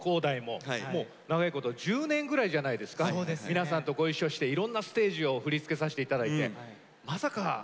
皆さんとご一緒していろんなステージを振り付けさせていただいて。